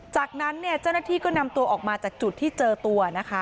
จากนั้นเนี่ยเจ้าหน้าที่ก็นำตัวออกมาจากจุดที่เจอตัวนะคะ